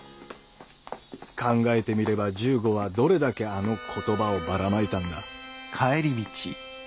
考えてみれば十五はどれだけあの言葉をバラまいたんだ。